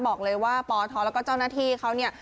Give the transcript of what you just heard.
บอกเลยว่าปทแล้วก็เจ้าหน้าที่เขาเนี่ย